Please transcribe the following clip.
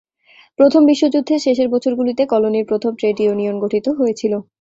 প্রথম বিশ্বযুদ্ধের শেষের বছরগুলিতে, কলোনির প্রথম ট্রেড ইউনিয়ন গঠিত হয়েছিল।